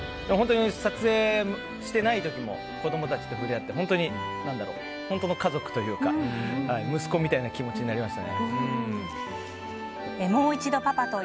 撮影してない時も子供たちと触れ合って本当の家族というか息子みたいな気持ちになりました。